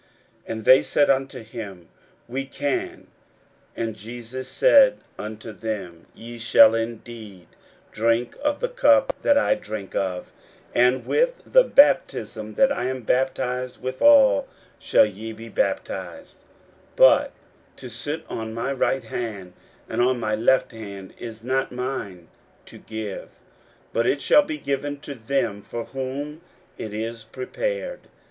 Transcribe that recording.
41:010:039 And they said unto him, We can. And Jesus said unto them, Ye shall indeed drink of the cup that I drink of; and with the baptism that I am baptized withal shall ye be baptized: 41:010:040 But to sit on my right hand and on my left hand is not mine to give; but it shall be given to them for whom it is prepared.